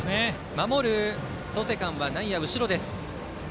守る創成館は内野、後ろです。